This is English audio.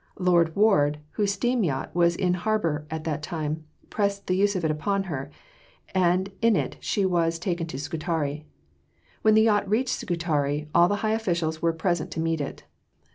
Lord Ward, whose steam yacht was in harbour at the time, pressed the use of it upon her, and in it she was taken to Scutari. When the yacht reached Scutari, all the high officials were present to meet it.